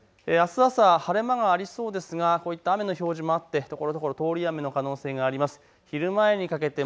あす朝晴れ間がありそうですがこういった雨の表示もあってところどころ通り雨の可能性があります。